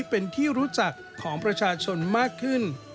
เป็นที่รู้จักของประชาชนมากขึ้น